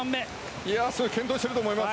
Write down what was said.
すごい健闘していると思います。